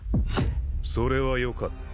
それはよかった。